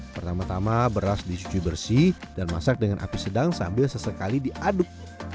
pertama tama beras dicuci bersih dan masak dengan api sedang sambil sesekali diaduk